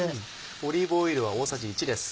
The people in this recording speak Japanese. オリーブオイルは大さじ１です。